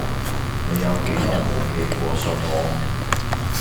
你有幾耐無寄過信啊